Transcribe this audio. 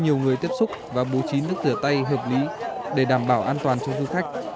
nhiều người tiếp xúc và bố trí nước rửa tay hợp lý để đảm bảo an toàn cho du khách